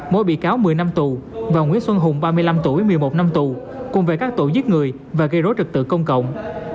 mỗi bị cáo một mươi năm tù và nguyễn xuân hùng ba mươi năm tuổi một mươi một năm tù cùng về các tội giết người và gây rối trực tự công cộng